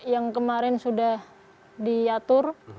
yang kemarin sudah diatur